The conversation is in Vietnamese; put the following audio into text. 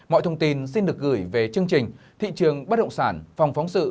mọi thông tin xin được gửi về chương trình thị trường bất động sản phòng phóng sự